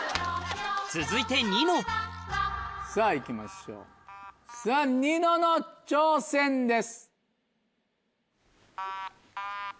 続いてさぁ行きましょうさぁニノの挑戦です。